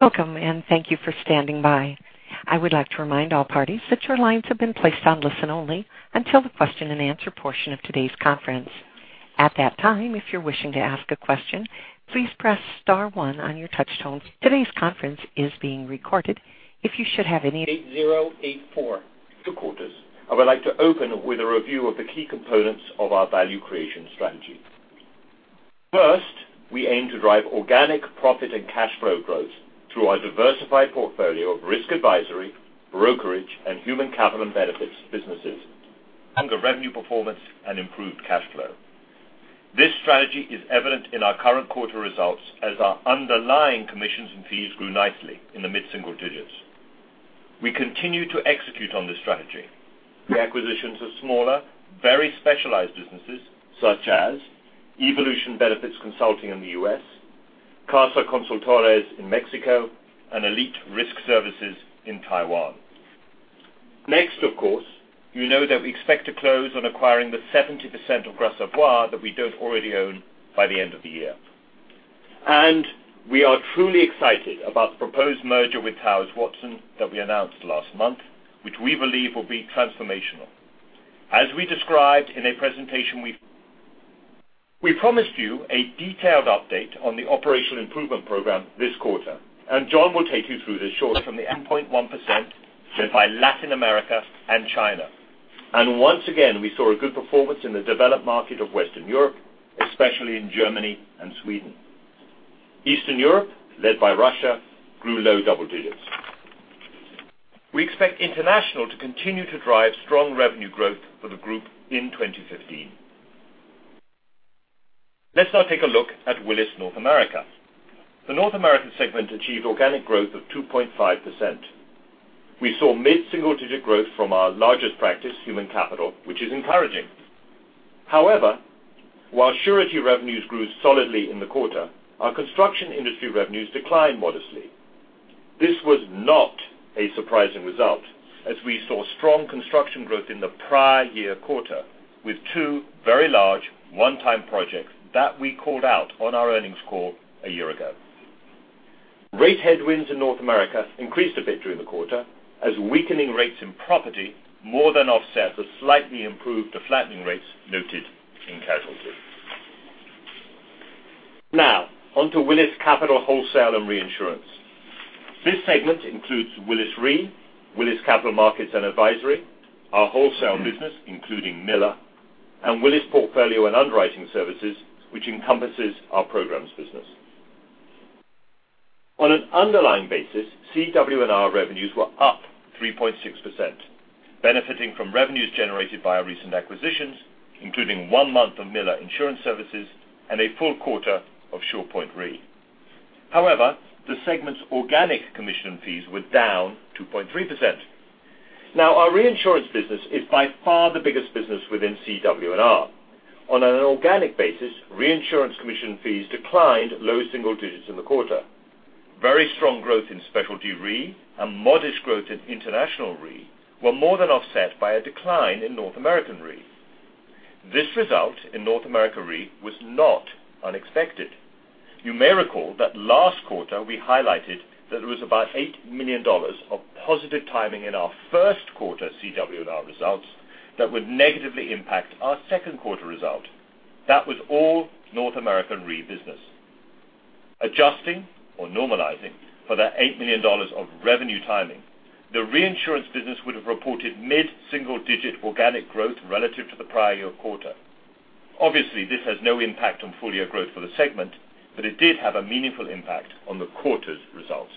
Welcome. Thank you for standing by. I would like to remind all parties that your lines have been placed on listen only until the question and answer portion of today's conference. At that time, if you're wishing to ask a question, please press star one on your touch tone. Today's conference is being recorded. 8084. Two quarters. I would like to open with a review of the key components of our value creation strategy. First, we aim to drive organic profit and cash flow growth through our diversified portfolio of risk advisory, brokerage, and human capital and benefits businesses. Stronger revenue performance and improved cash flow. This strategy is evident in our current quarter results as our underlying commissions and fees grew nicely in the mid-single digits. We continue to execute on this strategy through acquisitions of smaller, very specialized businesses such as Evolution Benefits Consulting in the U.S., Casa Consultores in Mexico, and Elite Risk Services in Taiwan. Next, of course, you know that we expect to close on acquiring the 70% of Gras Savoye that we don't already own by the end of the year. We are truly excited about the proposed merger with Towers Watson that we announced last month, which we believe will be transformational. As we described in a presentation, we promised you a detailed update on the Operational Improvement Program this quarter. John will take you through this shortly. From the end point 1% led by Latin America and China. Once again, we saw a good performance in the developed market of Western Europe, especially in Germany and Sweden. Eastern Europe, led by Russia, grew low double digits. We expect international to continue to drive strong revenue growth for the group in 2015. Let's now take a look at Willis North America. The North America segment achieved organic growth of 2.5%. We saw mid-single-digit growth from our largest practice, human capital, which is encouraging. While surety revenues grew solidly in the quarter, our construction industry revenues declined modestly. This was not a surprising result, as we saw strong construction growth in the prior year quarter with two very large one-time projects that we called out on our earnings call a year ago. Rate headwinds in North America increased a bit during the quarter as weakening rates in property more than offset the slightly improved to flattening rates noted in casualty. On to Willis Capital, Wholesale and Reinsurance. This segment includes Willis Re, Willis Capital Markets & Advisory, our wholesale business, including Miller, and Willis Portfolio and Underwriting Services, which encompasses our programs business. On an underlying basis, CW&R revenues were up 3.6%, benefiting from revenues generated by our recent acquisitions, including one month of Miller Insurance Services and a full quarter of SurePoint Re. The segment's organic commission fees were down 2.3%. Our reinsurance business is by far the biggest business within CW&R. On an organic basis, reinsurance commission fees declined low single digits in the quarter. Very strong growth in Specialty Re and modest growth in International Re were more than offset by a decline in North American Re. This result in North American Re was not unexpected. You may recall that last quarter we highlighted that there was about $8 million of positive timing in our first quarter CW&R results that would negatively impact our second quarter result. That was all North American Re business. Adjusting or normalizing for that $8 million of revenue timing, the reinsurance business would have reported mid-single-digit organic growth relative to the prior year quarter. This has no impact on full-year growth for the segment, but it did have a meaningful impact on the quarter's results.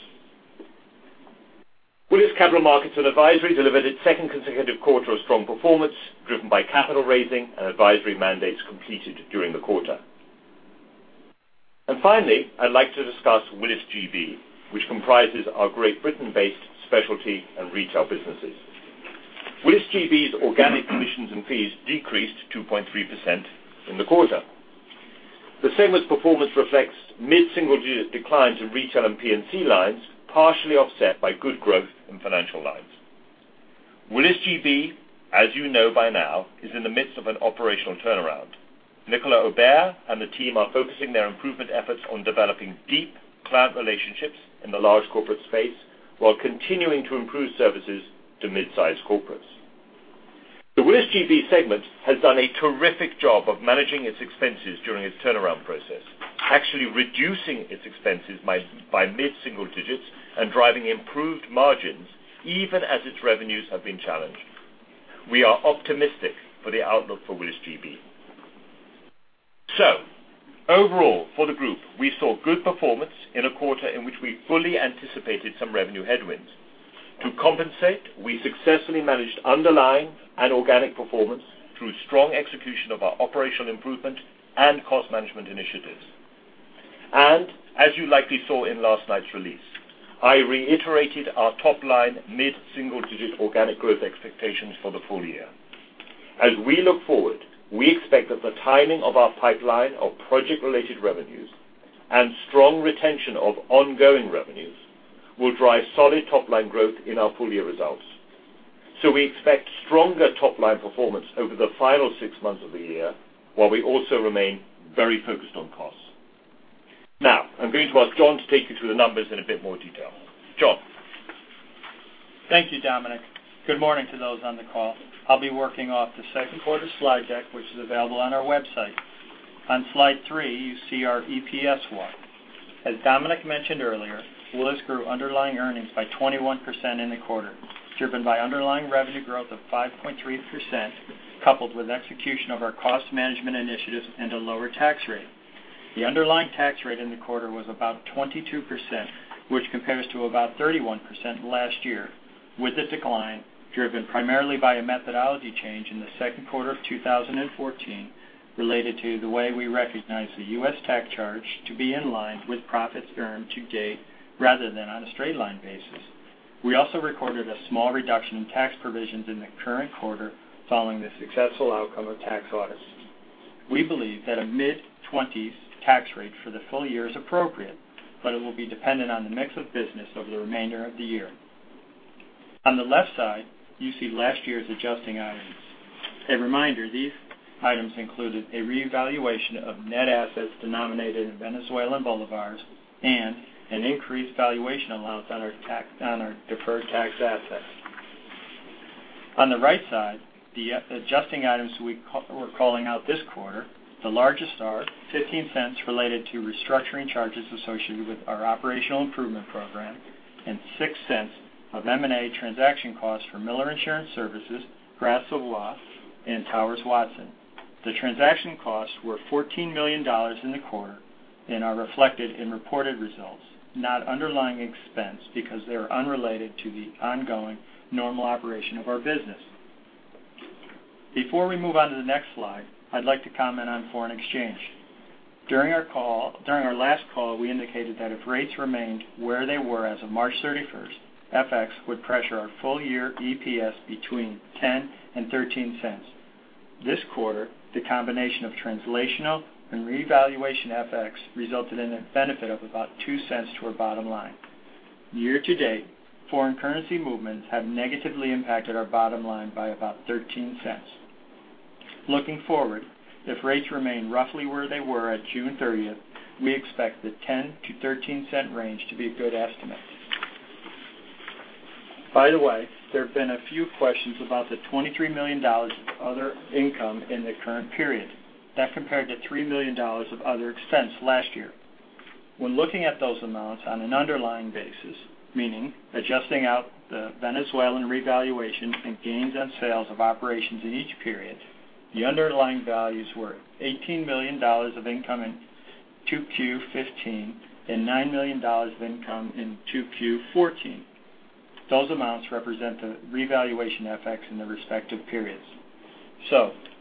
Willis Capital Markets & Advisory delivered its second consecutive quarter of strong performance, driven by capital raising and advisory mandates completed during the quarter. Finally, I'd like to discuss Willis GB, which comprises our Great Britain-based specialty and retail businesses. Willis GB's organic commissions and fees decreased 2.3% in the quarter. The segment's performance reflects mid-single-digit declines in retail and P&C lines, partially offset by good growth in financial lines. Willis GB, as you know by now, is in the midst of an operational turnaround. Nicolas Aubert and the team are focusing their improvement efforts on developing deep client relationships in the large corporate space while continuing to improve services to midsize corporates. The Willis GB segment has done a terrific job of managing its expenses during its turnaround process, actually reducing its expenses by mid-single digits and driving improved margins even as its revenues have been challenged. We are optimistic for the outlook for Willis GB. Overall for the group, we saw good performance in a quarter in which we fully anticipated some revenue headwinds. To compensate, we successfully managed underlying and organic performance through strong execution of our Operational Improvement and cost management initiatives. As you likely saw in last night's release, I reiterated our top-line mid-single-digit organic growth expectations for the full year. As we look forward, we expect that the timing of our pipeline of project-related revenues and strong retention of ongoing revenues will drive solid top-line growth in our full-year results. We expect stronger top-line performance over the final six months of the year, while we also remain very focused on costs. I'm going to ask John to take you through the numbers in a bit more detail. John? Thank you, Dominic. Good morning to those on the call. I'll be working off the second quarter slide deck, which is available on our website. On slide three, you see our EPS walk. As Dominic mentioned earlier, Willis grew underlying earnings by 21% in the quarter, driven by underlying revenue growth of 5.3%, coupled with execution of our cost management initiatives and a lower tax rate. The underlying tax rate in the quarter was about 22%, which compares to about 31% last year, with the decline driven primarily by a methodology change in the second quarter of 2014, related to the way we recognize the U.S. tax charge to be in line with profits earned to date rather than on a straight line basis. We also recorded a small reduction in tax provisions in the current quarter following the successful outcome of tax audits. We believe that a mid-20s tax rate for the full year is appropriate, but it will be dependent on the mix of business over the remainder of the year. On the left side, you see last year's adjusting items. A reminder, these items included a reevaluation of net assets denominated in Venezuelan bolivars and an increased valuation allowance on our deferred tax assets. On the right side, the adjusting items we're calling out this quarter, the largest are $0.15 related to restructuring charges associated with our Operational Improvement Program and $0.06 of M&A transaction costs for Miller Insurance Services, Gras Savoye, and Towers Watson. The transaction costs were $14 million in the quarter and are reflected in reported results, not underlying expense, because they are unrelated to the ongoing normal operation of our business. Before we move on to the next slide, I'd like to comment on foreign exchange. During our last call, we indicated that if rates remained where they were as of March 31st, FX would pressure our full year EPS between $0.10 and $0.13. This quarter, the combination of translational and revaluation FX resulted in a benefit of about $0.02 to our bottom line. Year to date, foreign currency movements have negatively impacted our bottom line by about $0.13. Looking forward, if rates remain roughly where they were at June 30th, we expect the $0.10-$0.13 range to be a good estimate. By the way, there have been a few questions about the $23 million of other income in the current period. That compared to $3 million of other expense last year. When looking at those amounts on an underlying basis, meaning adjusting out the Venezuelan revaluation and gains on sales of operations in each period, the underlying values were $18 million of income in 2Q15 and $9 million of income in 2Q14. Those amounts represent the revaluation FX in the respective periods.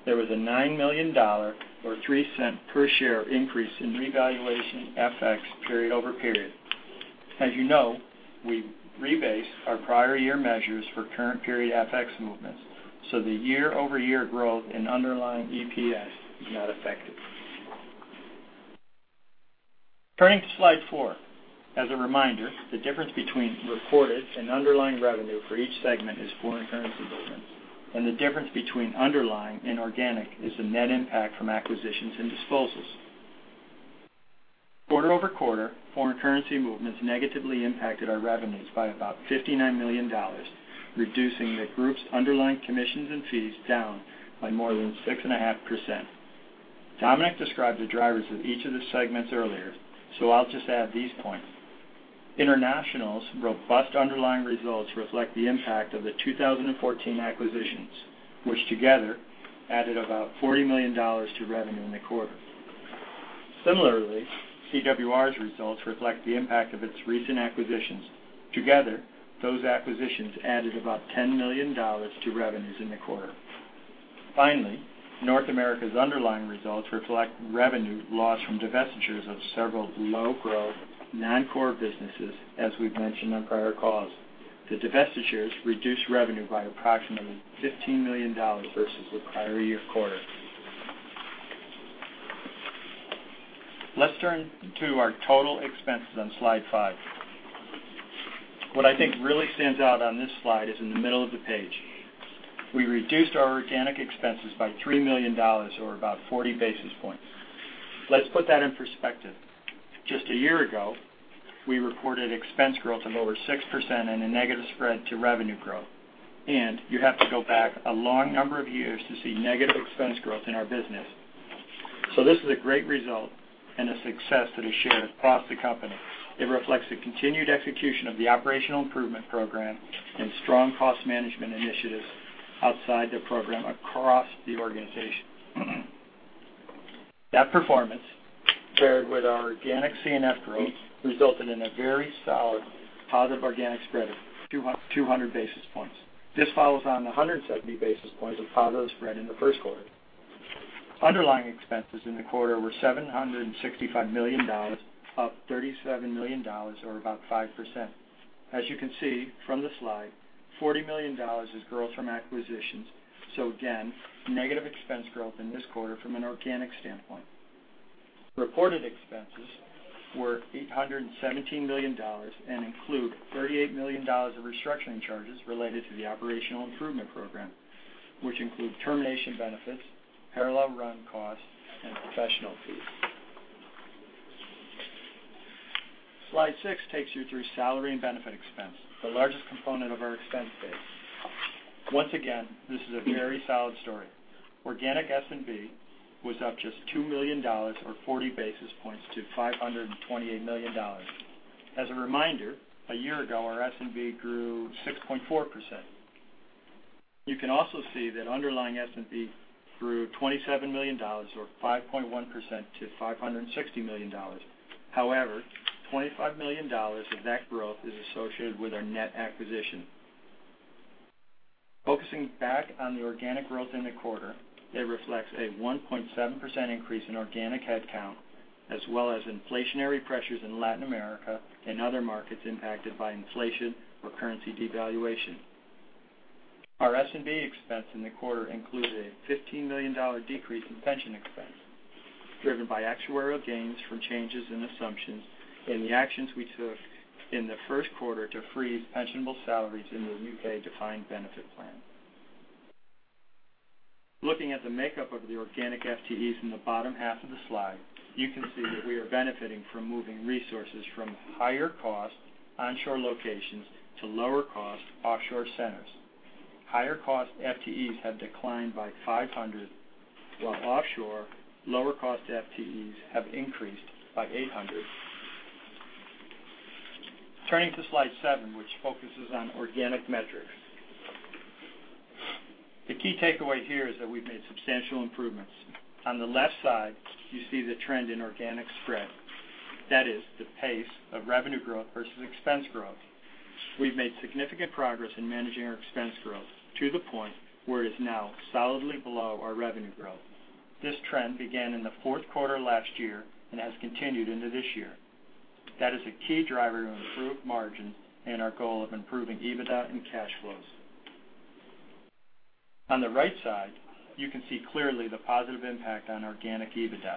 There was a $9 million or $0.03 per share increase in revaluation FX period over period. As you know, we rebase our prior year measures for current period FX movements, so the year-over-year growth in underlying EPS is not affected. Turning to slide four. As a reminder, the difference between reported and underlying revenue for each segment is foreign currency movements, and the difference between underlying and organic is the net impact from acquisitions and disposals. Quarter-over-quarter, foreign currency movements negatively impacted our revenues by about $59 million, reducing the group's underlying commissions and fees down by more than 6.5%. Dominic described the drivers of each of the segments earlier, I'll just add these points. International's robust underlying results reflect the impact of the 2014 acquisitions, which together added about $40 million to revenue in the quarter. Similarly, CWR's results reflect the impact of its recent acquisitions. Together, those acquisitions added about $10 million to revenues in the quarter. Finally, North America's underlying results reflect revenue loss from divestitures of several low growth, non-core businesses, as we've mentioned on prior calls. The divestitures reduced revenue by approximately $15 million versus the prior year quarter. Let's turn to our total expenses on slide five. What I think really stands out on this slide is in the middle of the page. We reduced our organic expenses by $3 million, or about 40 basis points. Let's put that in perspective. Just a year ago, we reported expense growth of over 6% and a negative spread to revenue growth. You have to go back a long number of years to see negative expense growth in our business. This is a great result and a success that is shared across the company. It reflects the continued execution of the Operational Improvement Program and strong cost management initiatives outside the program across the organization. That performance, paired with our organic C&F growth, resulted in a very solid positive organic spread of 200 basis points. This follows on the 170 basis points of positive spread in the first quarter. Underlying expenses in the quarter were $765 million, up $37 million, or about 5%. As you can see from the slide, $40 million is growth from acquisitions. Again, negative expense growth in this quarter from an organic standpoint. Reported expenses were $817 million and include $38 million of restructuring charges related to the Operational Improvement Program, which include termination benefits, parallel run costs, and professional fees. Slide six takes you through salary and benefit expense, the largest component of our expense base. Once again, this is a very solid story. Organic S&B was up just $2 million, or 40 basis points, to $528 million. As a reminder, a year ago, our S&B grew 6.4%. You can also see that underlying S&B grew $27 million, or 5.1%, to $560 million. However, $25 million of that growth is associated with our net acquisition. Focusing back on the organic growth in the quarter, it reflects a 1.7% increase in organic headcount, as well as inflationary pressures in Latin America and other markets impacted by inflation or currency devaluation. Our S&B expense in the quarter included a $15 million decrease in pension expense, driven by actuarial gains from changes in assumptions and the actions we took in the first quarter to freeze pensionable salaries in the new pay defined benefit plan. Looking at the makeup of the organic FTEs in the bottom half of the slide, you can see that we are benefiting from moving resources from higher-cost onshore locations to lower-cost offshore centers. Higher-cost FTEs have declined by 500, while offshore lower-cost FTEs have increased by 800. Turning to slide seven, which focuses on organic metrics. The key takeaway here is that we've made substantial improvements. On the left side, you see the trend in organic spread. That is the pace of revenue growth versus expense growth. We've made significant progress in managing our expense growth to the point where it is now solidly below our revenue growth. This trend began in the fourth quarter last year and has continued into this year. That is a key driver of improved margin and our goal of improving EBITDA and cash flows. On the right side, you can see clearly the positive impact on organic EBITDA.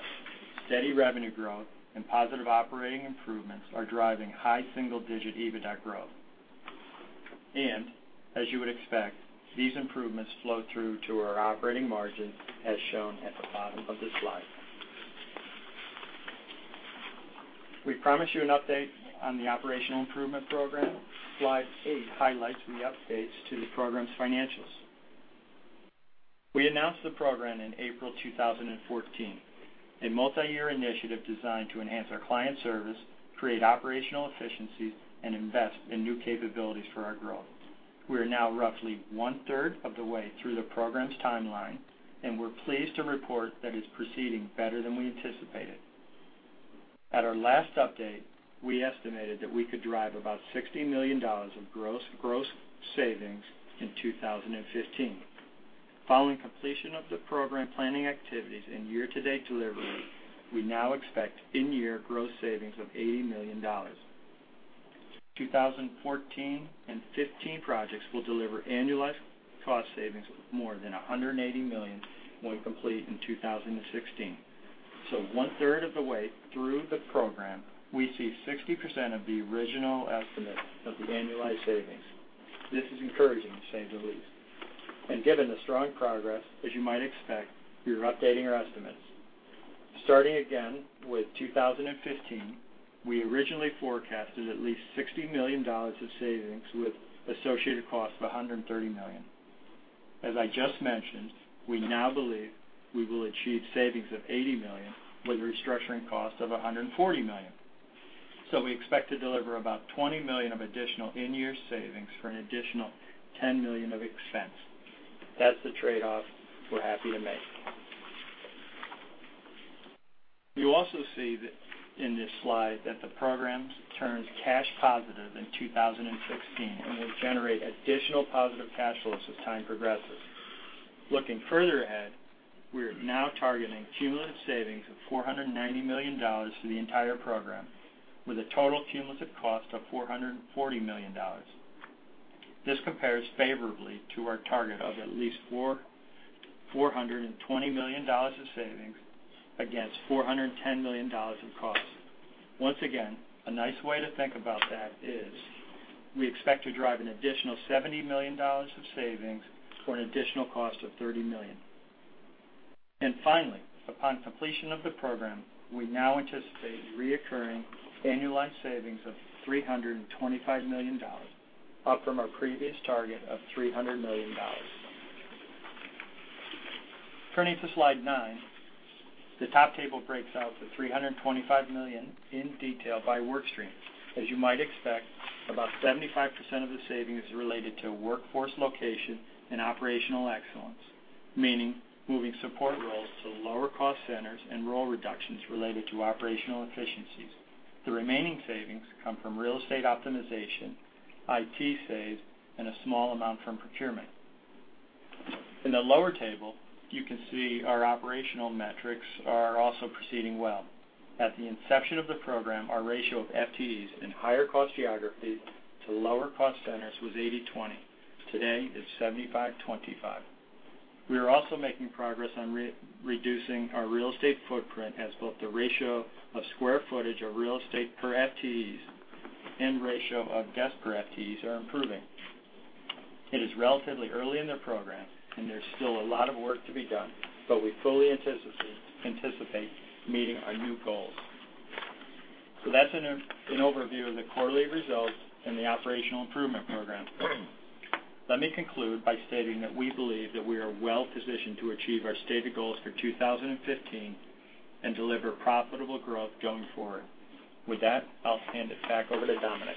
Steady revenue growth and positive operating improvements are driving high single-digit EBITDA growth. As you would expect, these improvements flow through to our operating margin, as shown at the bottom of this slide. We promised you an update on the Operational Improvement Program. Slide eight highlights the updates to the program's financials. We announced the program in April 2014, a multi-year initiative designed to enhance our client service, create operational efficiencies, and invest in new capabilities for our growth. We are now roughly one-third of the way through the program's timeline, and we're pleased to report that it's proceeding better than we anticipated. At our last update, we estimated that we could drive about $60 million of gross savings in 2015. Following completion of the program planning activities and year-to-date delivery, we now expect in-year gross savings of $80 million. 2014 and 2015 projects will deliver annualized cost savings of more than $180 million when complete in 2016. One-third of the way through the program, we see 60% of the original estimate of the annualized savings. This is encouraging, to say the least. Given the strong progress, as you might expect, we are updating our estimates. Starting again with 2015, we originally forecasted at least $60 million of savings with associated costs of $130 million. As I just mentioned, we now believe we will achieve savings of $80 million with restructuring costs of $140 million. We expect to deliver about $20 million of additional in-year savings for an additional $10 million of expense. That's the trade-off we're happy to make. You also see in this slide that the program turns cash positive in 2016 and will generate additional positive cash flows as time progresses. Looking further ahead, we are now targeting cumulative savings of $490 million for the entire program, with a total cumulative cost of $440 million. This compares favorably to our target of at least $420 million of savings against $410 million of costs. Once again, a nice way to think about that is we expect to drive an additional $70 million of savings for an additional cost of $30 million. Finally, upon completion of the program, we now anticipate recurring annualized savings of $325 million, up from our previous target of $300 million. Turning to slide nine, the top table breaks out the $325 million in detail by work stream. As you might expect, about 75% of the savings is related to workforce location and operational excellence, meaning moving support roles to lower-cost centers and role reductions related to operational efficiencies. The remaining savings come from real estate optimization, IT saves, and a small amount from procurement. In the lower table, you can see our operational metrics are also proceeding well. At the inception of the program, our ratio of FTEs in higher-cost geographies to lower-cost centers was 80/20. Today, it's 75/25. We are also making progress on reducing our real estate footprint as both the ratio of square footage of real estate per FTEs and ratio of desk per FTEs are improving. It is relatively early in the program, and there's still a lot of work to be done, but we fully anticipate meeting our new goals. That's an overview of the quarterly results and the Operational Improvement Program. Let me conclude by stating that we believe that we are well-positioned to achieve our stated goals for 2015 and deliver profitable growth going forward. With that, I'll hand it back over to Dominic.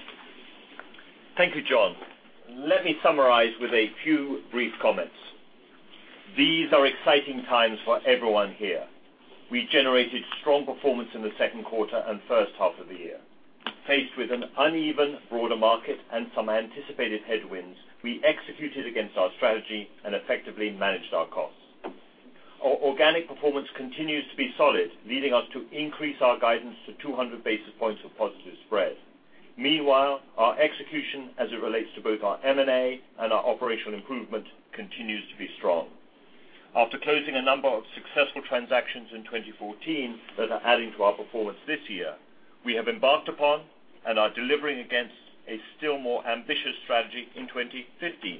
Thank you, John. Let me summarize with a few brief comments. These are exciting times for everyone here. We generated strong performance in the second quarter and first half of the year. Faced with an uneven broader market and some anticipated headwinds, we executed against our strategy and effectively managed our costs. Our organic performance continues to be solid, leading us to increase our guidance to 200 basis points of positive spread. Meanwhile, our execution as it relates to both our M&A and our Operational Improvement continues to be strong. After closing a number of successful transactions in 2014 that are adding to our performance this year, we have embarked upon and are delivering against a still more ambitious strategy in 2015.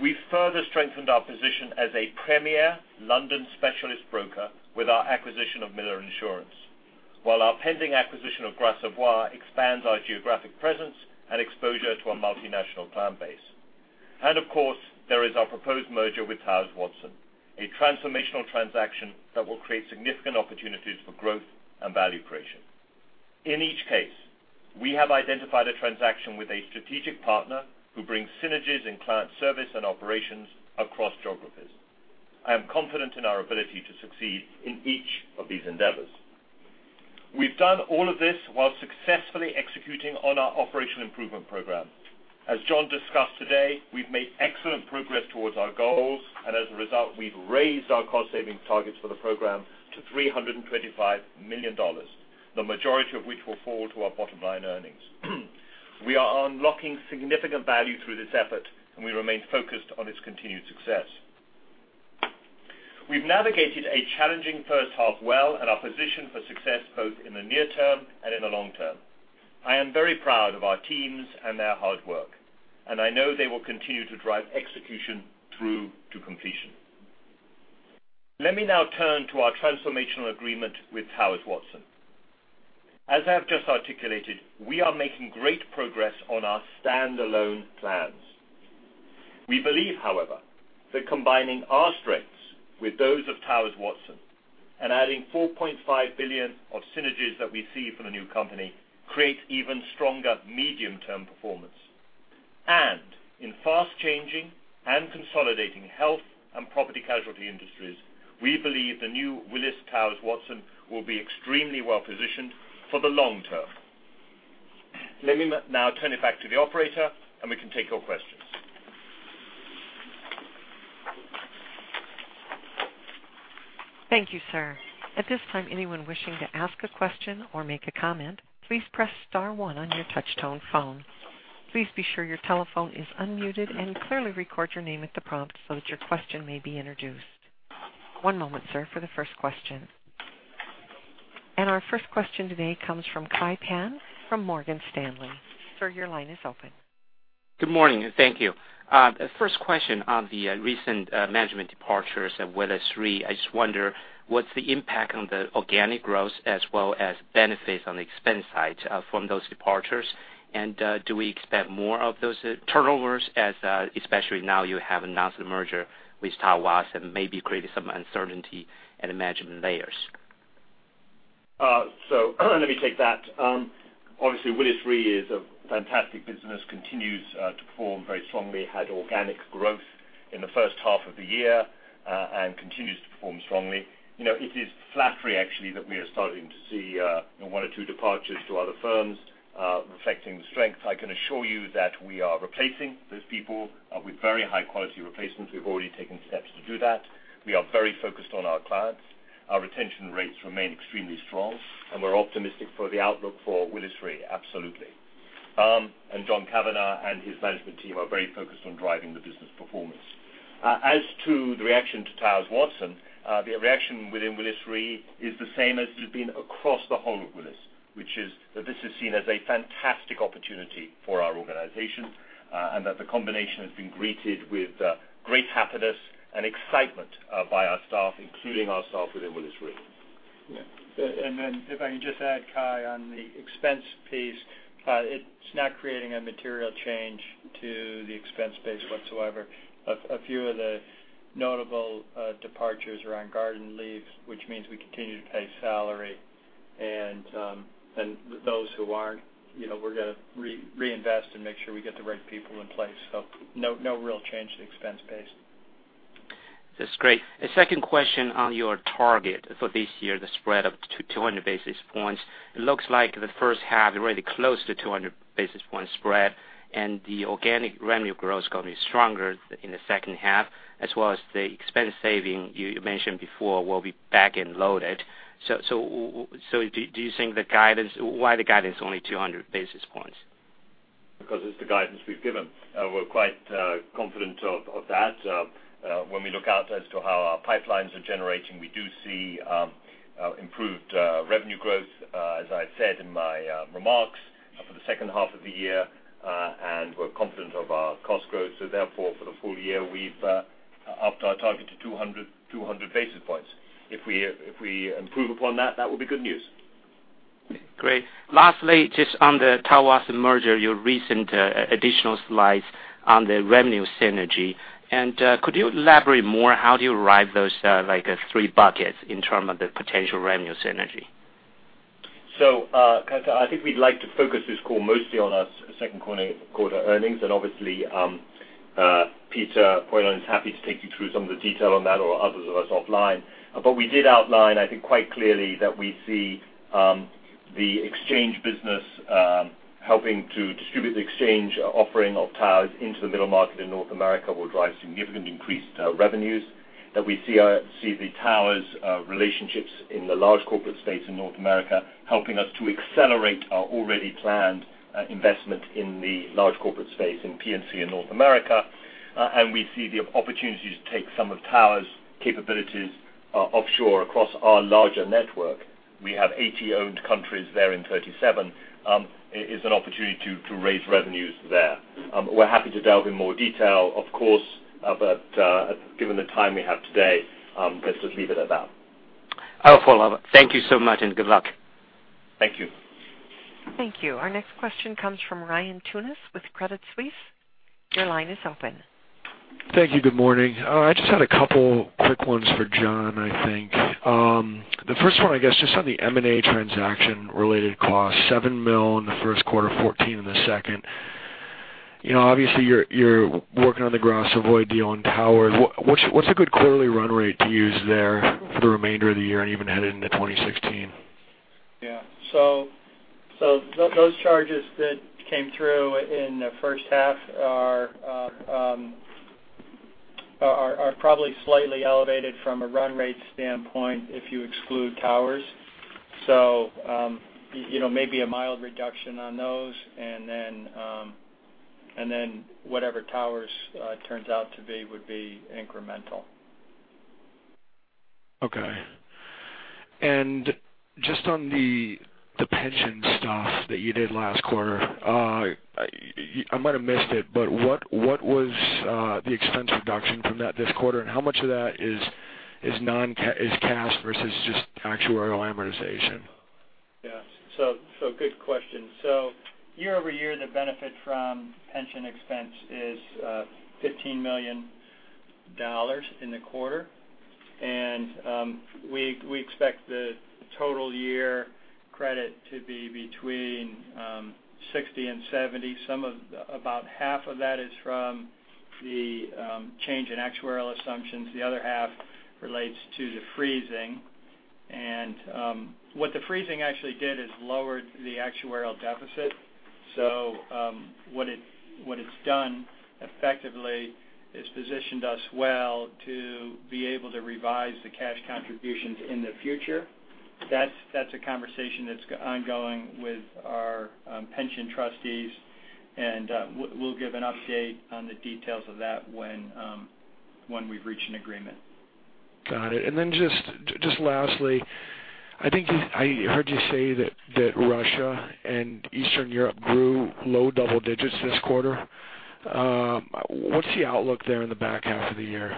We further strengthened our position as a premier London specialist broker with our acquisition of Miller Insurance. Our pending acquisition of Gras Savoye expands our geographic presence and exposure to a multinational client base. Of course, there is our proposed merger with Towers Watson, a transformational transaction that will create significant opportunities for growth and value creation. In each case, we have identified a transaction with a strategic partner who brings synergies in client service and operations across geographies. I am confident in our ability to succeed in each of these endeavors. We've done all of this while successfully executing on our Operational Improvement Program. As John discussed today, we've made excellent progress towards our goals, and as a result, we've raised our cost-saving targets for the program to $325 million, the majority of which will fall to our bottom-line earnings. We are unlocking significant value through this effort, and we remain focused on its continued success. We've navigated a challenging first half well and are positioned for success both in the near term and in the long term. I am very proud of our teams and their hard work, and I know they will continue to drive execution through to completion. Let me now turn to our transformational agreement with Towers Watson. As I have just articulated, we are making great progress on our standalone plans. We believe, however, that combining our strengths with those of Towers Watson and adding $4.5 billion of synergies that we see from the new company create even stronger medium-term performance. In fast-changing and consolidating health and property casualty industries, we believe the new Willis Towers Watson will be extremely well-positioned for the long term. Let me now turn it back to the operator, and we can take your questions. Thank you, sir. At this time, anyone wishing to ask a question or make a comment, please press star one on your touch-tone phone. Please be sure your telephone is unmuted and clearly record your name at the prompt so that your question may be introduced. One moment, sir, for the first question. Our first question today comes from Kai Pan from Morgan Stanley. Sir, your line is open. Good morning. Thank you. First question on the recent management departures at Willis Re. I just wonder what's the impact on the organic growth as well as benefits on the expense side from those departures. Do we expect more of those turnovers as especially now you have announced the merger with Towers Watson, maybe creating some uncertainty in management layers? Let me take that. Obviously, Willis Re is a fantastic business, continues to perform very strongly, had organic growth in the first half of the year and continues to perform strongly. It is flattery actually that we are starting to see one or two departures to other firms, reflecting the strength. I can assure you that we are replacing those people with very high-quality replacements. We've already taken steps to do that. We are very focused on our clients. Our retention rates remain extremely strong, and we're optimistic for the outlook for Willis Re, absolutely. John Cavanagh and his management team are very focused on driving the business performance. As to the reaction to Towers Watson, the reaction within Willis Re is the same as it's been across the whole of Willis, which is that this is seen as a fantastic opportunity for our organization and that the combination has been greeted with great happiness and excitement by our staff, including our staff within Willis Re. If I can just add, Kai, on the expense piece, it's not creating a material change to the expense base whatsoever. A few of the notable departures are on garden leave, which means we continue to pay salary, and those who aren't, we're going to reinvest and make sure we get the right people in place. No real change to the expense base. That's great. A second question on your target for this year, the spread of 200 basis points. It looks like the first half already close to 200 basis point spread and the organic revenue growth is going to be stronger in the second half as well as the expense saving you mentioned before will be back-end loaded. Do you think the guidance, why the guidance only 200 basis points? It's the guidance we've given. We're quite confident of that. When we look out as to how our pipelines are generating, we do see improved revenue growth, as I've said in my remarks, for the second half of the year. We're confident of our cost growth. For the full year, we've upped our target to 200 basis points. If we improve upon that would be good news. Great. Lastly, just on the Towers merger, your recent additional slides on the revenue synergy. Could you elaborate more how do you arrive those three buckets in terms of the potential revenue synergy? I think we'd like to focus this call mostly on our second quarter earnings, and obviously, Peter Poillon is happy to take you through some of the detail on that, or others of us offline. We did outline, I think, quite clearly that we see the exchange business helping to distribute the exchange offering of Towers into the middle market in North America will drive significant increased revenues. That we see the Towers relationships in the large corporate space in North America helping us to accelerate our already planned investment in the large corporate space in P&C in North America. We see the opportunity to take some of Towers' capabilities offshore across our larger network. We have 80 owned countries, they're in 37. It's an opportunity to raise revenues there. We're happy to delve in more detail, of course, but given the time we have today, let's just leave it at that. I'll follow up. Thank you so much and good luck. Thank you. Thank you. Our next question comes from Ryan Tunis with Credit Suisse. Your line is open. Thank you. Good morning. I just had a couple quick ones for John, I think. The first one, I guess, just on the M&A transaction-related cost, $7 million in the first quarter, $14 million in the second. Obviously, you're working on the Gras Savoye deal and Towers. What's a good quarterly run rate to use there for the remainder of the year and even headed into 2016? Yeah. Those charges that came through in the first half are probably slightly elevated from a run rate standpoint if you exclude Towers. Maybe a mild reduction on those, and then whatever Towers turns out to be would be incremental. Okay. Just on the pension stuff that you did last quarter. I might have missed it, but what was the expense reduction from that this quarter, and how much of that is cash versus just actuarial amortization? Yeah. Good question. Year-over-year, the benefit from pension expense is $15 million in the quarter. We expect the total year credit to be between $60 million and $70 million. About half of that is from the change in actuarial assumptions. The other half relates to the freezing. What the freezing actually did is lowered the actuarial deficit. What it's done effectively is positioned us well to be able to revise the cash contributions in the future. That's a conversation that's ongoing with our pension trustees, and we'll give an update on the details of that when we've reached an agreement. Got it. Just lastly, I heard you say that Russia and Eastern Europe grew low double digits this quarter. What's the outlook there in the back half of the year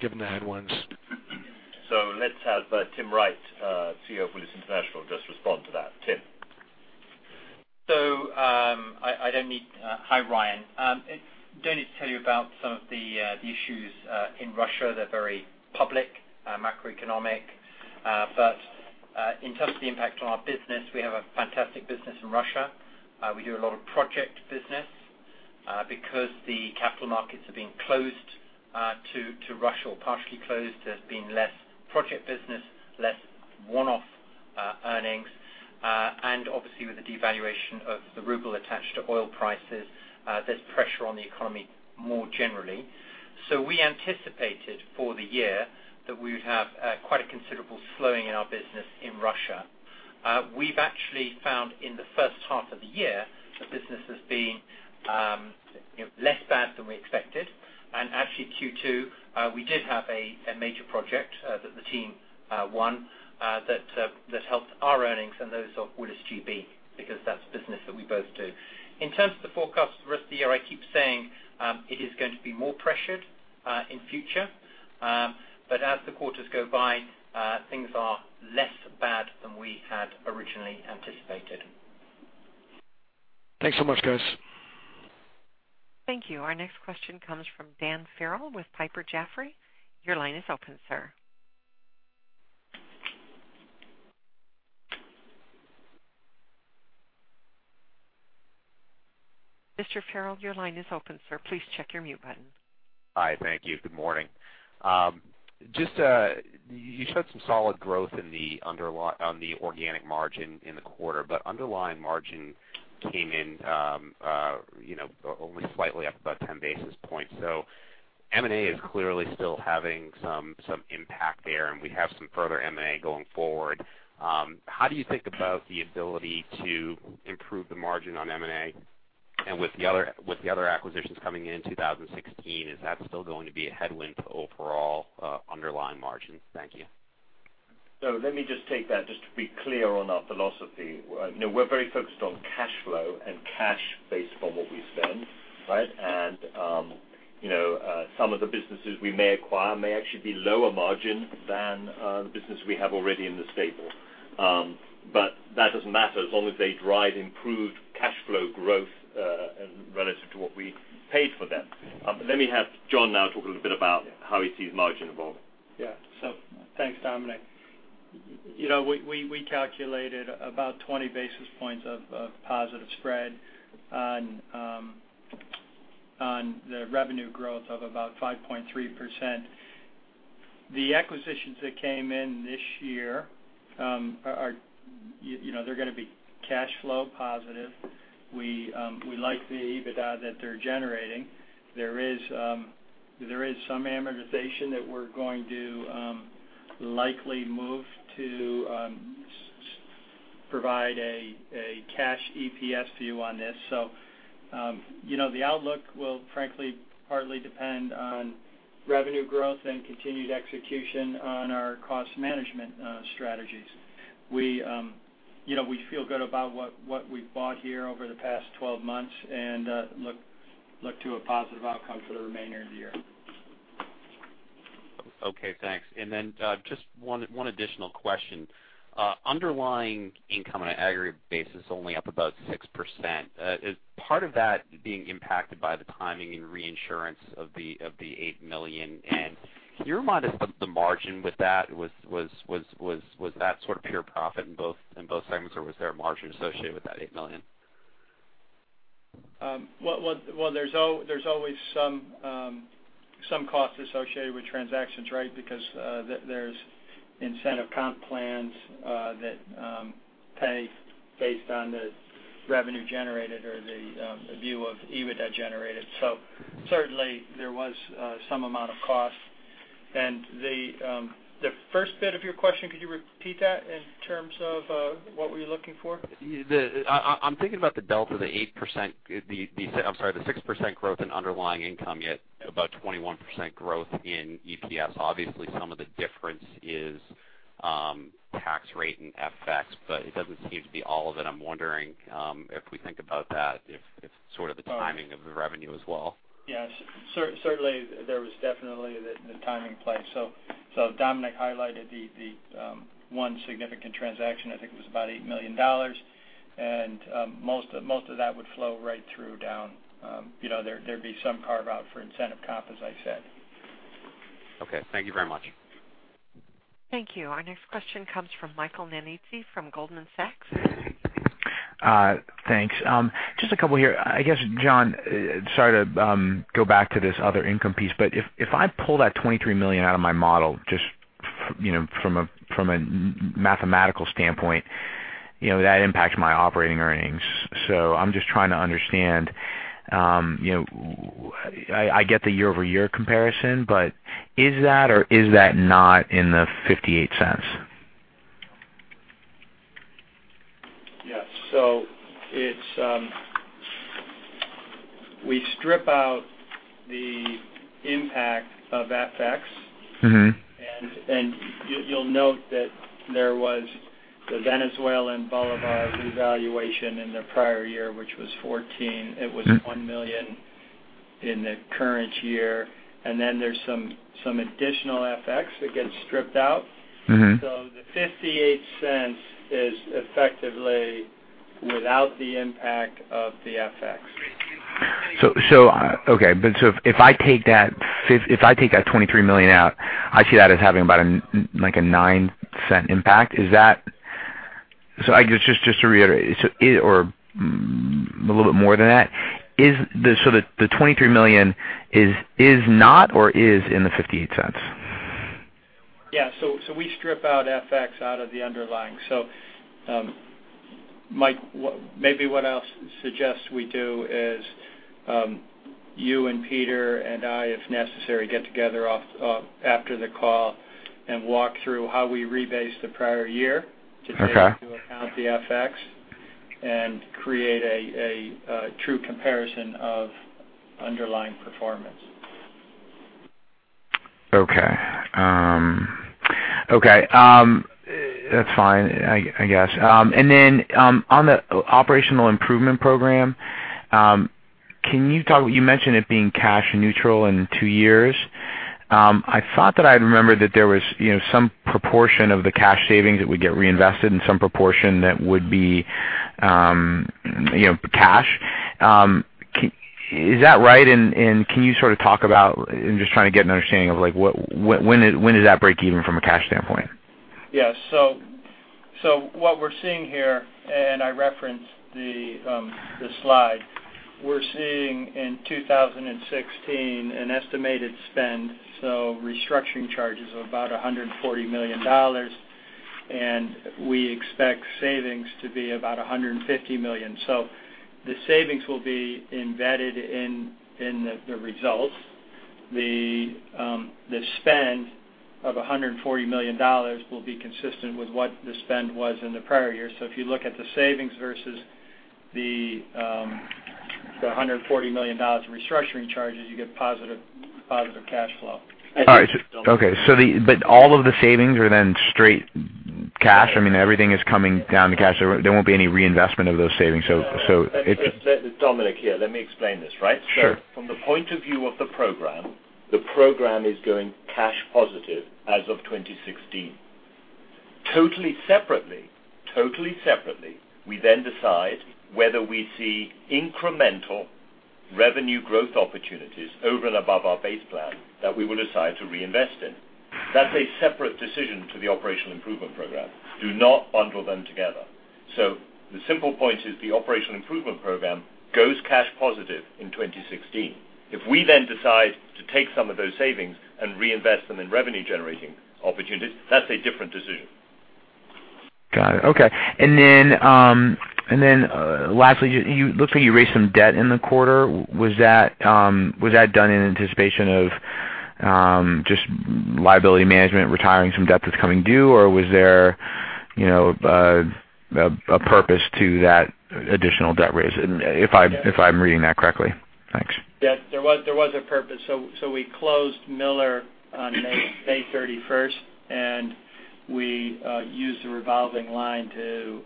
given the headwinds? Let's have Tim Wright, CEO of Willis International, just respond to that. Tim. Hi, Ryan. Don't need to tell you about some of the issues in Russia. They're very public, macroeconomic. In terms of the impact on our business, we have a fantastic business in Russia. We do a lot of project business. Because the capital markets have been closed to Russia, or partially closed, there's been less project business, less one-off earnings. Obviously with the devaluation of the ruble attached to oil prices, there's pressure on the economy more generally. We anticipated for the year that we would have quite a considerable slowing in our business in Russia. We've actually found in the first half of the year, the business has been less bad than we expected. Actually Q2, we did have a major project that the team won that helped our earnings and those of Willis GB, because that's business that we both do. In terms of the forecast for the rest of the year, I keep saying it is going to be more pressured in future. As the quarters go by, things are less bad than we had originally anticipated. Thanks so much, guys. Thank you. Our next question comes from Dan Farrell with Piper Jaffray. Your line is open, sir. Mr. Farrell, your line is open, sir. Please check your mute button. Hi. Thank you. Good morning. You showed some solid growth on the organic margin in the quarter, but underlying margin came in only slightly up about 10 basis points. M&A is clearly still having some impact there, and we have some further M&A going forward. How do you think about the ability to improve the margin on M&A? With the other acquisitions coming in 2016, is that still going to be a headwind to overall underlying margins? Thank you. Let me just take that just to be clear on our philosophy. We're very focused on cash flow and cash based on what we spend, right? Some of the businesses we may acquire may actually be lower margin than the business we have already in the stable. That doesn't matter as long as they drive improved cash flow growth relative to what we paid for them. Let me have John now talk a little bit about how he sees margin evolving. Yeah. Thanks, Dominic. We calculated about 20 basis points of positive spread on the revenue growth of about 5.3%. The acquisitions that came in this year, they're going to be cash flow positive. We like the EBITDA that they're generating. There is some amortization that we're going to likely move to provide a cash EPS view on this. The outlook will frankly partly depend on revenue growth and continued execution on our cost management strategies. We feel good about what we've bought here over the past 12 months and look to a positive outcome for the remainder of the year. Okay, thanks. Then just one additional question. Underlying income on an aggregate basis is only up about 6%. Is part of that being impacted by the timing and reinsurance of the $8 million? Can you remind us what the margin with that was? Was that sort of pure profit in both segments, or was there a margin associated with that $8 million? Well, there is always some cost associated with transactions, right? Because there is incentive comp plans that pay based on the revenue generated or the view of EBITDA generated. Certainly there was some amount of cost. The first bit of your question, could you repeat that in terms of what were you looking for? I am thinking about the delta, the 6% growth in underlying income, yet about 21% growth in EPS. Obviously, some of the difference is tax rate and FX, but it doesn't seem to be all of it. I am wondering if we think about that, if it is sort of the timing of the revenue as well. Yes. Certainly, there was definitely the timing play. Dominic highlighted the one significant transaction, I think it was about $8 million. Most of that would flow right through down. There would be some carve-out for incentive comp, as I said. Okay. Thank you very much. Thank you. Our next question comes from Michael Nannizzi from Goldman Sachs. Thanks. Just a couple here. I guess, John, sorry to go back to this other income piece, but if I pull that $23 million out of my model, just from a mathematical standpoint, that impacts my operating earnings. I'm just trying to understand, I get the year-over-year comparison, but is that or is that not in the $0.58? Yes. We strip out the impact of FX. You'll note that there was the Venezuelan bolivar revaluation in the prior year, which was $14 million. It was $1 million in the current year. Then there's some additional FX that gets stripped out. The $0.58 is effectively without the impact of FX. If I take that $23 million out, I see that as having about a $0.09 impact. Just to reiterate, or a little bit more than that. The $23 million is not or is in the $0.58? We strip out FX out of the underlying. Mike, maybe what I'll suggest we do is, you and Peter and I, if necessary, get together after the call and walk through how we rebase the prior year to take into account FX and create a true comparison of underlying performance. That's fine, I guess. On the Operational Improvement Program, you mentioned it being cash neutral in two years. I thought that I remember that there was some proportion of the cash savings that would get reinvested and some proportion that would be cash. Is that right? Can you sort of talk about, I'm just trying to get an understanding of when does that break even from a cash standpoint? Yes. What we're seeing here, and I referenced the slide, we're seeing in 2016 an estimated spend, restructuring charges of about $140 million. We expect savings to be about $150 million. The savings will be embedded in the results. The spend of $140 million will be consistent with what the spend was in the prior year. If you look at the savings versus the $140 million of restructuring charges, you get positive cash flow. All right. Okay. All of the savings are then straight cash? Everything is coming down to cash. There won't be any reinvestment of those savings. Dominic here, let me explain this, right? Sure. From the point of view of the program, the program is going cash positive as of 2016. Totally separately, we then decide whether we see incremental revenue growth opportunities over and above our base plan that we will decide to reinvest in. That's a separate decision to the Operational Improvement Program. Do not bundle them together. The simple point is the Operational Improvement Program goes cash positive in 2016. If we then decide to take some of those savings and reinvest them in revenue-generating opportunities, that's a different decision. Got it. Okay. Lastly, looks like you raised some debt in the quarter. Was that done in anticipation of just liability management, retiring some debt that's coming due, or was there a purpose to that additional debt raise, if I'm reading that correctly? Thanks. Yes. There was a purpose. We closed Miller on May 31st, and we used the revolving line to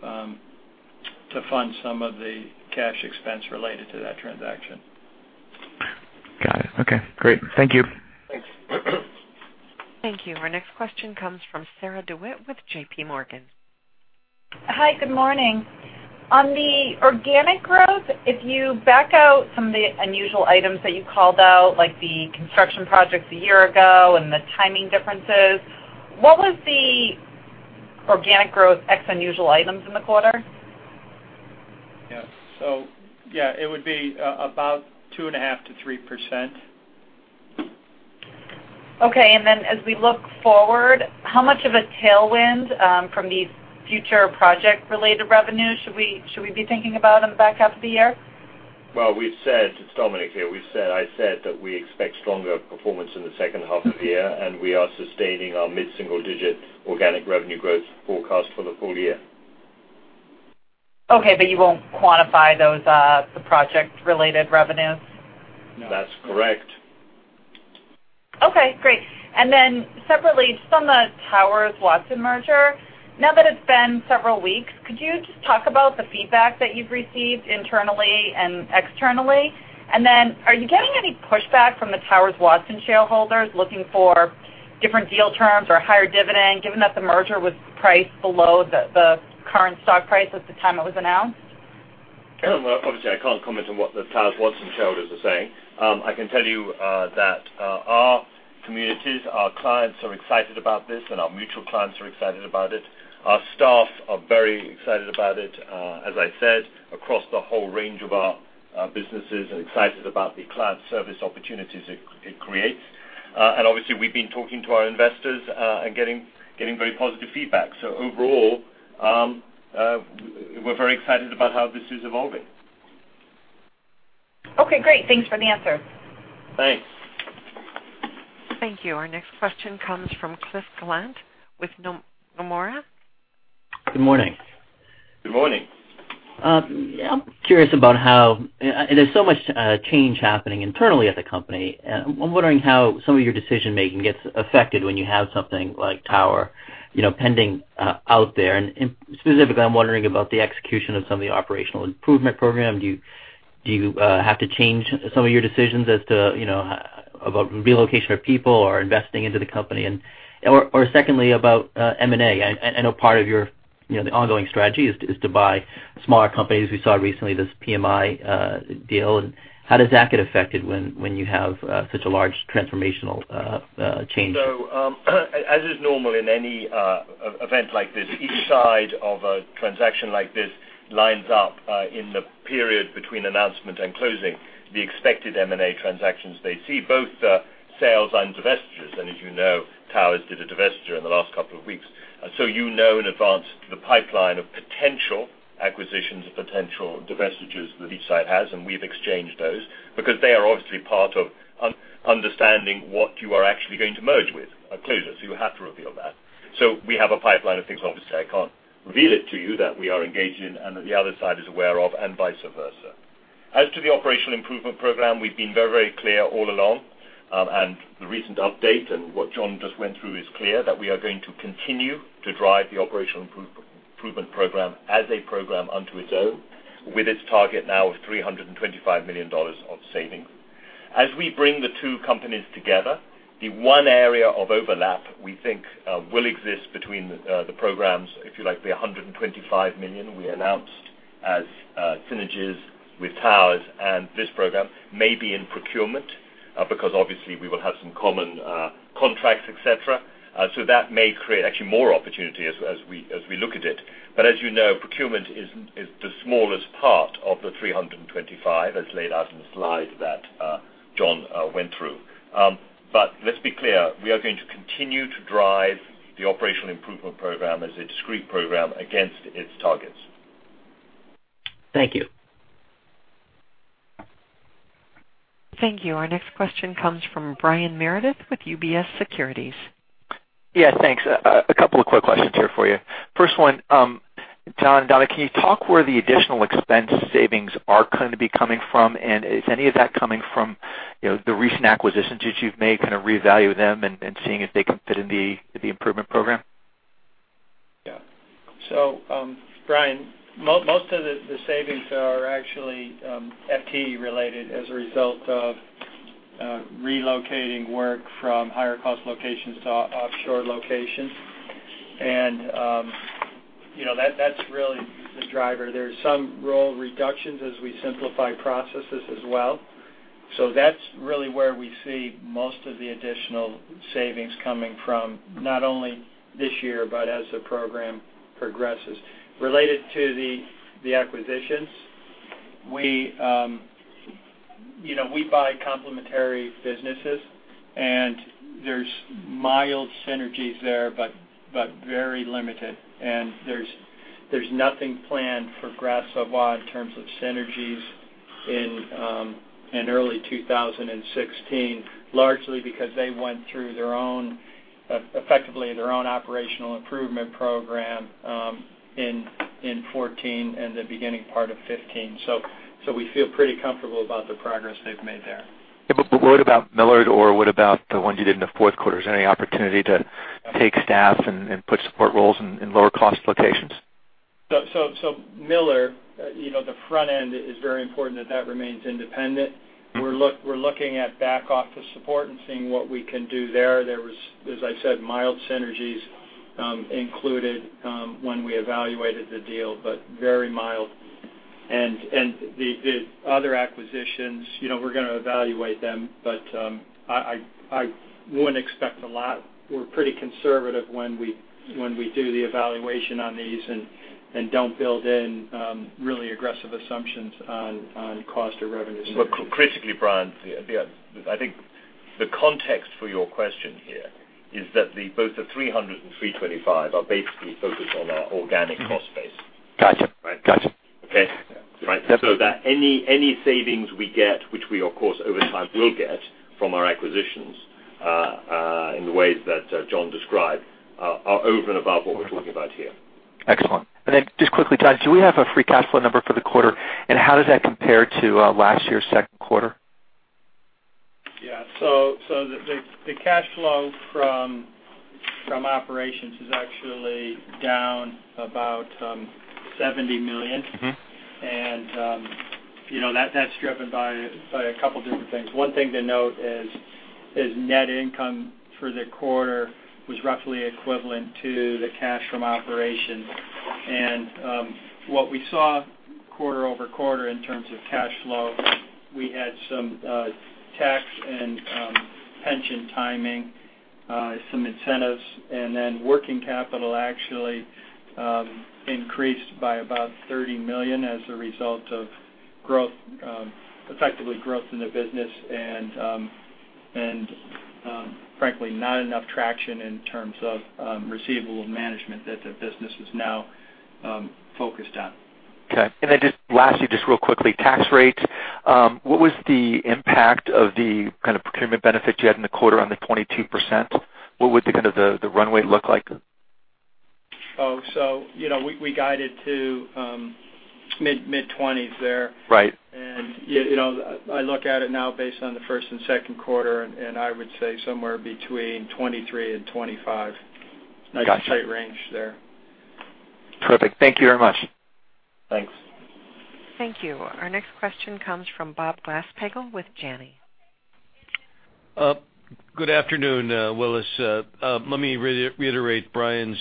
fund some of the cash expense related to that transaction. Got it. Okay, great. Thank you. Thanks. Thank you. Our next question comes from Sarah DeWitt with J.P. Morgan. Hi, good morning. On the organic growth, if you back out some of the unusual items that you called out, like the construction projects a year ago and the timing differences, what was the organic growth ex unusual items in the quarter? Yes. Yeah, it would be about 2.5% to 3%. Okay. As we look forward, how much of a tailwind from these future project-related revenues should we be thinking about on the back half of the year? Well, it's Dominic here. I said that we expect stronger performance in the second half of the year. We are sustaining our mid-single-digit organic revenue growth forecast for the full year. Okay. You won't quantify those, the project-related revenues? No. That's correct. Okay, great. Separately, just on the Towers Watson merger, now that it's been several weeks, could you just talk about the feedback that you've received internally and externally? Are you getting any pushback from the Towers Watson shareholders looking for different deal terms or higher dividend, given that the merger was priced below the current stock price at the time it was announced? Obviously, I can't comment on what the Towers Watson shareholders are saying. I can tell you that our communities, our clients are excited about this, and our mutual clients are excited about it. Our staff are very excited about it, as I said, across the whole range of our businesses, are excited about the cloud service opportunities it creates. Obviously, we've been talking to our investors, and getting very positive feedback. Overall, we're very excited about how this is evolving. Okay, great. Thanks for the answer. Thanks. Thank you. Our next question comes from Cliff Gallant with Nomura. Good morning. Good morning. I'm curious about how. There's so much change happening internally at the company. I'm wondering how some of your decision-making gets affected when you have something like Towers Watson pending out there. Specifically, I'm wondering about the execution of some of the Operational Improvement Program. Do you have to change some of your decisions about relocation of people or investing into the company? Or secondly, about M&A. I know part of your ongoing strategy is to buy smaller companies. We saw recently this PMI deal. How does that get affected when you have such a large transformational change? As is normal in any event like this, each side of a transaction like this lines up in the period between announcement and closing, the expected M&A transactions they see, both sales and divestitures. As you know, Towers Watson did a divestiture in the last couple of weeks. You know in advance the pipeline of potential acquisitions or potential divestitures that each side has, and we've exchanged those because they are obviously part of understanding what you are actually going to merge with at closure. You have to reveal that. We have a pipeline of things, obviously, I can't reveal it to you, that we are engaged in and that the other side is aware of, and vice versa. As to the Operational Improvement Program, we've been very clear all along. The recent update and what John just went through is clear that we are going to continue to drive the Operational Improvement Program as a program unto its own, with its target now of $325 million of savings. As we bring the two companies together, the one area of overlap we think will exist between the programs, if you like, the $125 million we announced as synergies with Towers Watson and this program may be in procurement, because obviously we will have some common contracts, et cetera. That may create actually more opportunity as we look at it. As you know, procurement is the smallest part of the $325 as laid out in the slides that John went through. Let's be clear, we are going to continue to drive the Operational Improvement Program as a discrete program against its targets. Thank you. Thank you. Our next question comes from Brian Meredith with UBS Securities. Yeah, thanks. A couple of quick questions here for you. First one, John and Dominic, can you talk where the additional expense savings are going to be coming from? Is any of that coming from the recent acquisitions that you've made, kind of reevaluate them and seeing if they can fit in the Operational Improvement Program? Yeah. Brian, most of the savings are actually FT related as a result of relocating work from higher cost locations to offshore locations. That's really the driver. There's some role reductions as we simplify processes as well. That's really where we see most of the additional savings coming from, not only this year, but as the Operational Improvement Program progresses. Related to the acquisitions, we buy complementary businesses, and there's mild synergies there, but very limited. There's nothing planned for Gras Savoye in terms of synergies in early 2016, largely because they went through, effectively, their own Operational Improvement Program in 2014 and the beginning part of 2015. We feel pretty comfortable about the progress they've made there. What about Miller or what about the ones you did in the fourth quarter? Is there any opportunity to take staff and put support roles in lower cost locations? Miller, the front end is very important that that remains independent. We're looking at back office support and seeing what we can do there. There was, as I said, mild synergies included when we evaluated the deal, but very mild. The other acquisitions, we're going to evaluate them, but I wouldn't expect a lot. We're pretty conservative when we do the evaluation on these and don't build in really aggressive assumptions on cost or revenue. Critically, Brian, I think the context for your question here is that both the 300 and 325 are basically focused on our organic cost base. Got you. Right. Got you. Okay. Right. Yep. That any savings we get, which we, of course, over time will get from our acquisitions in the ways that John described, are over and above what we're talking about here. Excellent. Just quickly, John, do we have a free cash flow number for the quarter, and how does that compare to last year's second quarter? Yeah. The cash flow from operations is actually down about $70 million. That's driven by a couple different things. One thing to note is net income for the quarter was roughly equivalent to the cash from operations. What we saw quarter-over-quarter in terms of cash flow, we had some tax and pension timing, some incentives, and then working capital actually increased by about $30 million as a result of effectively growth in the business and frankly, not enough traction in terms of receivables management that the business is now focused on. Okay. Then just lastly, just real quickly, tax rates. What was the impact of the kind of procurement benefit you had in the quarter on the 22%? What would the runway look like? We guided to mid-20s there. Right. I look at it now based on the first and second quarter, and I would say somewhere between 23% and 25%. Got you. Nice tight range there. Perfect. Thank you very much. Thanks. Thank you. Our next question comes from Bob Glasspiegel with Janney. Good afternoon, Willis. Let me reiterate Brian's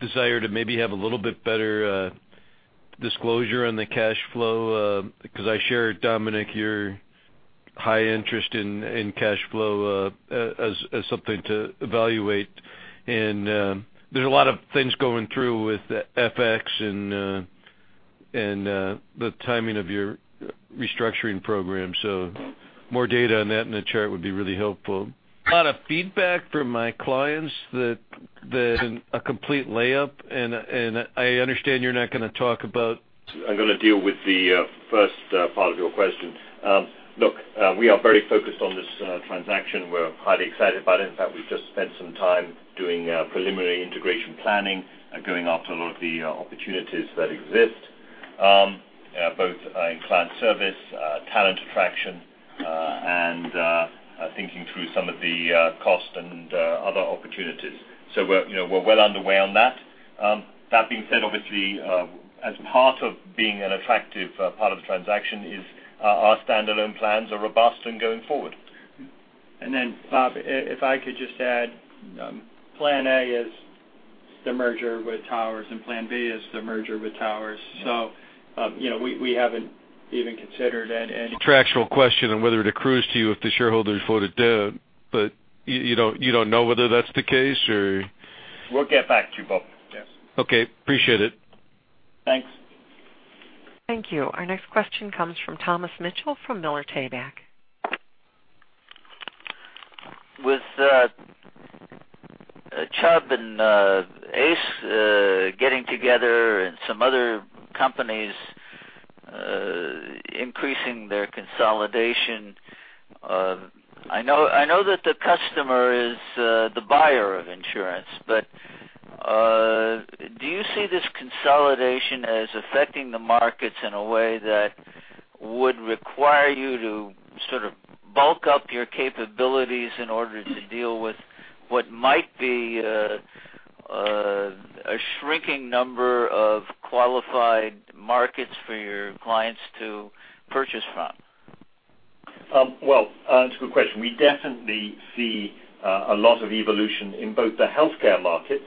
desire to maybe have a little bit better disclosure on the cash flow, because I share, Dominic, your high interest in cash flow as something to evaluate. There's a lot of things going through with FX and the timing of your restructuring program. More data on that in the chart would be really helpful. A lot of feedback from my clients that a complete layup, and I understand you're not going to talk about- I'm going to deal with the first part of your question. Look, we are very focused on this transaction. We're highly excited about it. In fact, we've just spent some time doing preliminary integration planning and going after a lot of the opportunities that exist both in client service, talent attraction, and thinking through some of the cost and other opportunities. We're well underway on that. That being said, obviously, as part of being an attractive part of the transaction is our standalone plans are robust and going forward. Bob, if I could just add, plan A is the merger with Towers, and plan B is the merger with Towers. We haven't even considered any- Contractual question on whether it accrues to you if the shareholders vote it down, but you don't know whether that's the case, or? We'll get back to you, Bob. Yes. Okay. Appreciate it. Thanks. Thank you. Our next question comes from Thomas Mitchell from Miller Tabak. With Chubb and ACE getting together and some other companies increasing their consolidation, I know that the customer is the buyer of insurance, but do you see this consolidation as affecting the markets in a way that would require you to sort of bulk up your capabilities in order to deal with what might be a shrinking number of qualified markets for your clients to purchase from? Well, that's a good question. We definitely see a lot of evolution in both the healthcare markets,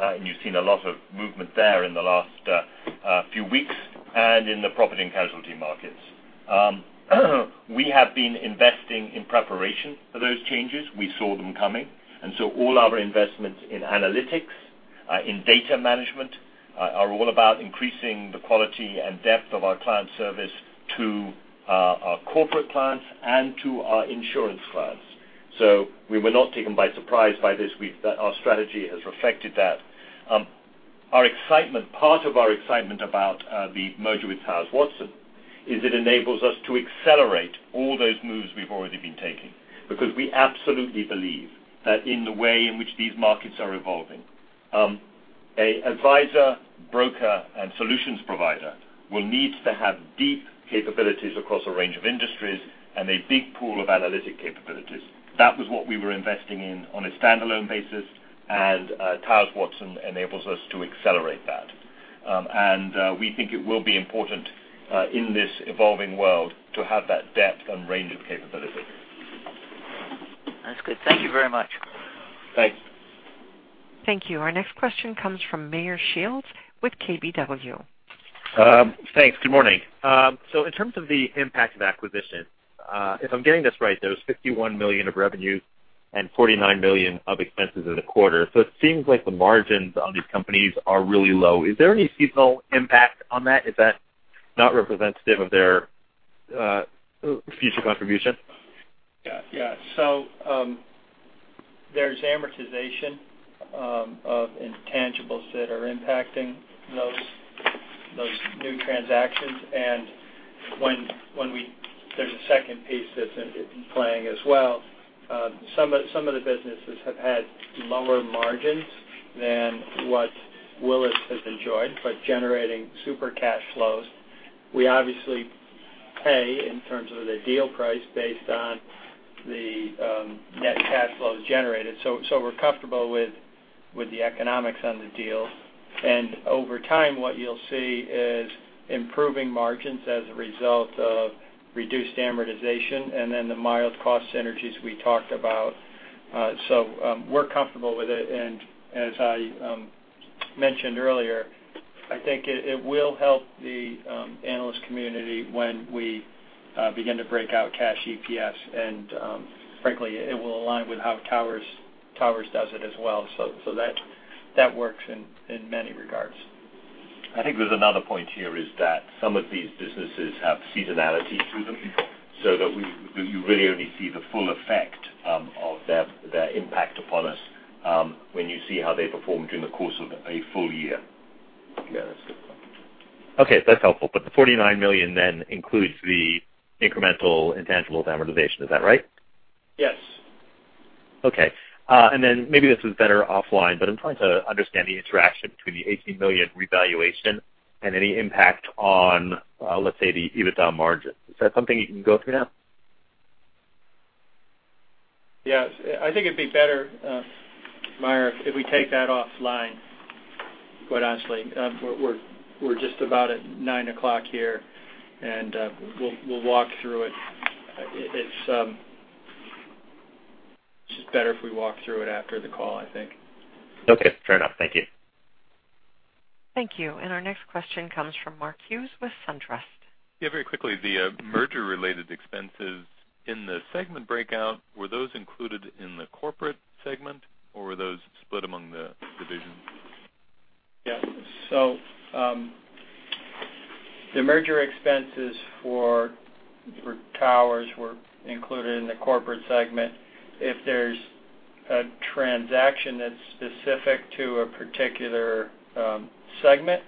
and you've seen a lot of movement there in the last few weeks, and in the property and casualty markets. We have been investing in preparation for those changes. We saw them coming, all our investments in analytics, in data management, are all about increasing the quality and depth of our client service to our corporate clients and to our insurance clients. We were not taken by surprise by this. Our strategy has reflected that. Part of our excitement about the merger with Towers Watson is it enables us to accelerate all those moves we've already been taking because we absolutely believe that in the way in which these markets are evolving, an advisor, broker, and solutions provider will need to have deep capabilities across a range of industries and a big pool of analytic capabilities. That was what we were investing in on a standalone basis, Towers Watson enables us to accelerate that. We think it will be important in this evolving world to have that depth and range of capability. That's good. Thank you very much. Thanks. Thank you. Our next question comes from Meyer Shields with KBW. Thanks. Good morning. In terms of the impact of acquisition, if I'm getting this right, there was $51 million of revenues and $49 million of expenses in the quarter. It seems like the margins on these companies are really low. Is there any seasonal impact on that? Is that not representative of their future contribution? Yeah. There's amortization of intangibles that are impacting those new transactions. There's a second piece that's in play as well. Some of the businesses have had lower margins than what Willis has enjoyed, but generating super cash flows. We obviously pay in terms of the deal price based on the net cash flows generated. We're comfortable with the economics on the deal, and over time, what you'll see is improving margins as a result of reduced amortization and then the mild cost synergies we talked about. We're comfortable with it, and as I mentioned earlier, I think it will help the analyst community when we begin to break out cash EPS. Frankly, it will align with how Towers does it as well. That works in many regards. I think there's another point here, is that some of these businesses have seasonality to them, so that you really only see the full effect of their impact upon us when you see how they perform during the course of a full year. Yeah, that's a good point. Okay, that's helpful. The $49 million then includes the incremental intangibles amortization. Is that right? Yes. Okay. Maybe this is better offline, but I'm trying to understand the interaction between the $18 million revaluation and any impact on, let's say, the EBITDA margin. Is that something you can go through now? Yes. I think it'd be better, Meyer, if we take that offline, quite honestly. We're just about at 9:00 A.M. here. We'll walk through it. It's just better if we walk through it after the call, I think. Okay, fair enough. Thank you. Thank you. Our next question comes from Mark Hughes with SunTrust. Yeah, very quickly, the merger related expenses in the segment breakout, were those included in the corporate segment, or were those split among the divisions? The merger expenses for Towers were included in the corporate segment. If there's a transaction that's specific to a particular segment,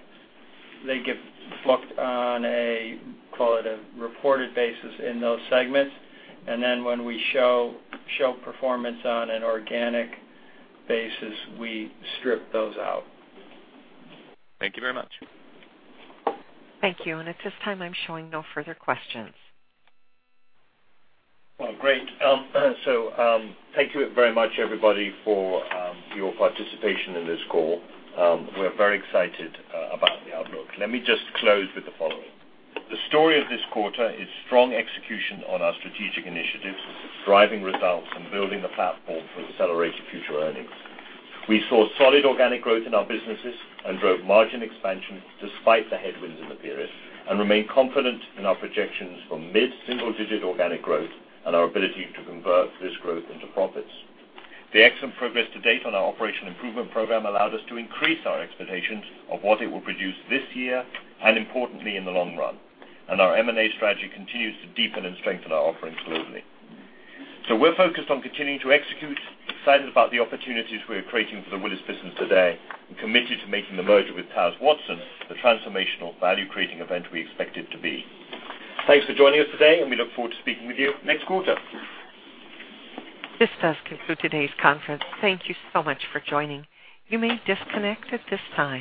they get booked on a, call it a reported basis in those segments. When we show performance on an organic basis, we strip those out. Thank you very much. Thank you. At this time, I'm showing no further questions. Well, great. Thank you very much, everybody, for your participation in this call. We're very excited about the outlook. Let me just close with the following. The story of this quarter is strong execution on our strategic initiatives, driving results, and building the platform for accelerated future earnings. We saw solid organic growth in our businesses and drove margin expansion despite the headwinds in the period, and remain confident in our projections for mid-single digit organic growth and our ability to convert this growth into profits. The excellent progress to date on our Operational Improvement Program allowed us to increase our expectations of what it will produce this year and importantly, in the long run. Our M&A strategy continues to deepen and strengthen our offering globally. We're focused on continuing to execute, excited about the opportunities we're creating for the Willis business today, and committed to making the merger with Towers Watson the transformational value-creating event we expect it to be. Thanks for joining us today, and we look forward to speaking with you next quarter. This does conclude today's conference. Thank you so much for joining. You may disconnect at this time.